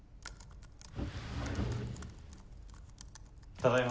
ただいま。